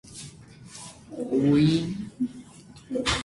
Լքված տղամարդու հագին սև հանդերձանք է. նա տառապում է։